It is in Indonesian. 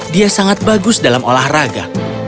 dia sangat bagus dalam olahraga